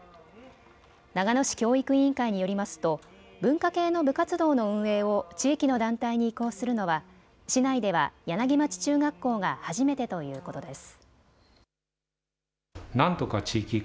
長野市教育委員会によりますと文化系の部活動の運営を地域の団体に移行するのは市内では柳町中学校が初めてということです。